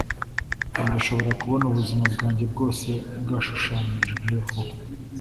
ndashobora kubona ubuzima bwanjye bwose bwashushanyijeho